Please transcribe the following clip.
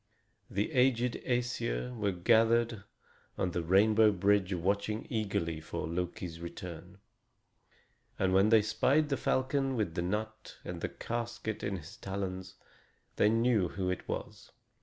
The aged Æsir were gathered on the rainbow bridge watching eagerly for Loki's return; and when they spied the falcon with the nut and the casket in his talons, they knew who it was.